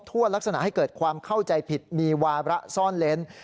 ลักษณะให้เกิดความเข้าใจผิดมีวาระซ่อนเล้น